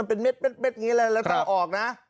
มันเป็นเม็ดอย่างงี้แหละเดี๋ยวออกนะ